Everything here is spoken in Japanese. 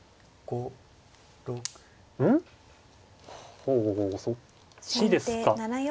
ほうそっちですか。